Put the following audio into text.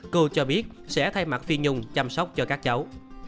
cô cho biết sẽ thay mặt phi nhung chăm sóc cho các cháu